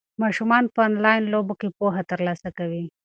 ماشومان په انلاین لوبو کې پوهه ترلاسه کوي.